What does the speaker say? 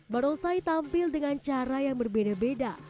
barongsai tampil dengan cara yang berbeda